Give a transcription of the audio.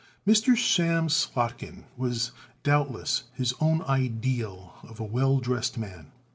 Mr. Sam Slotkin was doubtless his own ideal of a well dressed man.